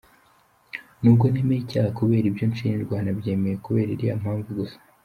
Nubwo nemeye icyaha kubera ibyo nshinjwa nabyemeye kubera iriya mpamvu gusa .